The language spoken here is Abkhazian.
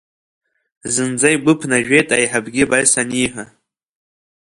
Зынӡа игәы ԥнажәеит аиҳабгьы абас аниҳәа.